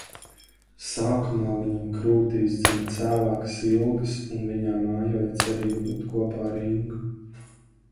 Sākumā viņam krūtīs dzima cēlākas ilgas un viņā mājoja cerība būt kopā ar Ingu.